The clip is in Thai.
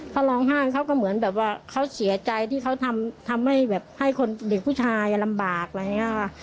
เขาร้องไห้เขาก็เหมือนแบบว่าเขาเสียใจที่เขาทำให้แบบให้คนเด็กผู้ชายลำบากอะไรอย่างนี้ค่ะ